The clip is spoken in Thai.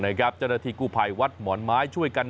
เจ้าบุญเหลือไปฝังไว้บริเวณสวนหลังบ้านต่อไปครับ